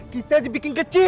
kita dibikin kecil